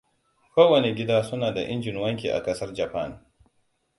Ko wane gida suna da injin wanki a kasar Japan.